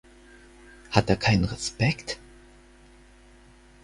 Hat er keinen Respekt?